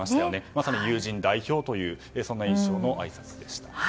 まさに友人代表という印象のあいさつでした。